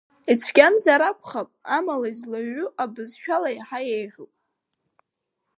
Ицәгьамзар акәхап, амала излаҩу абызшәала иаҳа иеиӷьуп!